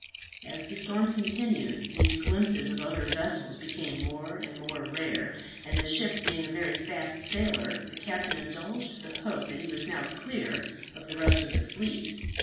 As the storm continued, these glimpses of other vessels became more and more rare, and the ship being a very fast sailer, the captain indulged the hope that he was now clear of the rest of the fleet.